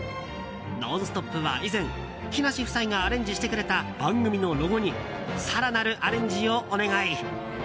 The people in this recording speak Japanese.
「ノンストップ！」は以前木梨夫妻がアレンジしてくれた番組のロゴに更なるアレンジをお願い。